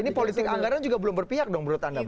ini politik anggaran juga belum berpihak dong menurut anda